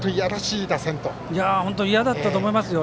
いやだったと思いますよ。